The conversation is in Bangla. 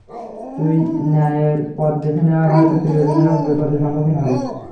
তুই ন্যায়ের পথ বেছে নেয়ায় হয়তো প্রিয়জনেরা বিপদের সম্মুখীন হবে।